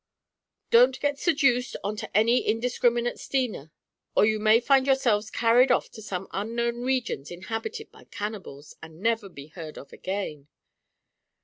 "Don't get seduced on to any indiscriminate steamer, or you may find yourselves carried off to some unknown regions inhabited by cannibals, and never be heard of again.